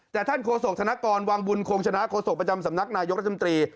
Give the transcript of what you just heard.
แต่ท่านโฆษกธนกรวังบุญคงชนะโฆษกประจำสำนักนายกรัฐมนตรี